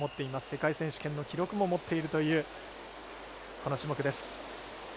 世界選手権の記録も持っているという、この種目です。